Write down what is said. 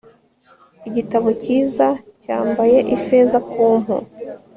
Igitabo cyiza cyambaye ifeza ku mpu